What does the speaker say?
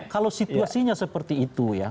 kalau situasinya seperti itu ya